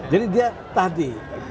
jadi dia tadi